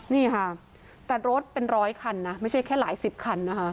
นี่ค่ะแต่รถเป็นร้อยคันนะไม่ใช่แค่หลายสิบคันนะคะ